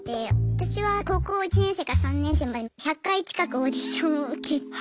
私は高校１年生から３年生まで１００回近くオーディションを受けて。